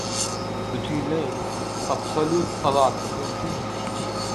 Bütinleý, absolýut azatlyk mümkinmi?